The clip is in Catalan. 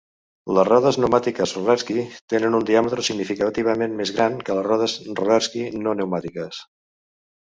Les rodes pneumàtiques rollerski tenen un diàmetre significativament més gran que les rodes rollerski no pneumàtiques.